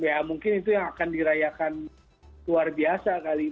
ya mungkin itu yang akan dirayakan luar biasa kali